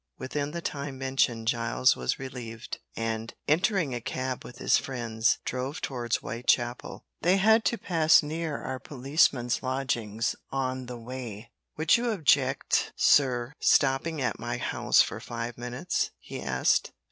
Within the time mentioned Giles was relieved, and, entering a cab with his friends, drove towards Whitechapel. They had to pass near our policeman's lodgings on the way. "Would you object, sir, stopping at my house for five minutes?" he asked.